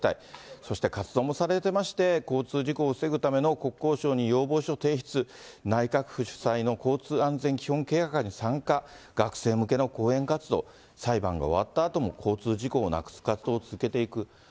そして活動もされてまして、交通事故を防ぐための国交省に要望書提出、内閣府主催の交通安全基本計画に参加、学生向けの講演活動、裁判が終わったあとも交通事故をなくす活動は続けていく。